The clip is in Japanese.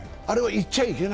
行っちゃいけない。